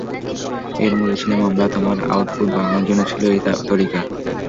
এর মূলে ছিলাম আমরা, তোমার আউটপুট বাড়ানোর জন্য ছিল এই তরিকা।